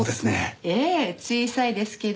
ええ小さいですけど。